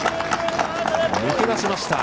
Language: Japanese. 抜け出しました。